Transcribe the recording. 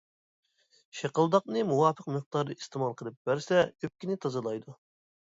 شىقىلداقنى مۇۋاپىق مىقداردا ئىستېمال قىلىپ بەرسە، ئۆپكىنى تازىلايدۇ.